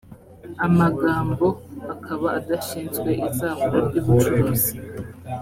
amagambo akaba adashinzwe izahura ry ubucuruzi